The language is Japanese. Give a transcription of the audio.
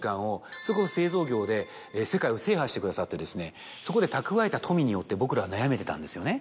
それこそ製造業で世界を制覇してくださってそこで蓄えた富によって僕らは悩めてたんですよね。